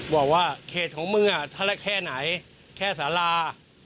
บอกว่าขยะของมึงอ่ะข้าละแค่ไหนแค่ซาลา